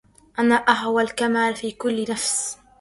أنا أهوى الكمال في كل نفس